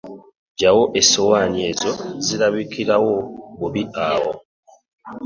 Jjawo essowaani ezo zirabikirawo bubi awo.